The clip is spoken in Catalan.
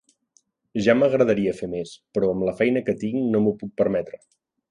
Ja m'agradaria fer més, però amb la feina que tinc no m'ho puc permetre.